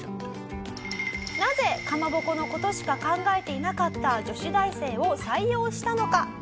なぜかまぼこの事しか考えていなかった女子大生を採用したのか？